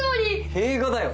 映画だよ！